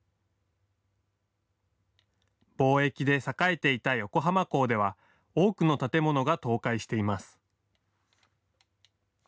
貿易で栄えていた横浜港では多くの建物が倒壊しています。